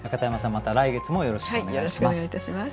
また来月もよろしくお願いします。